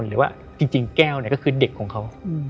หรือว่าจริงแก้วก็คือเด็กของเขา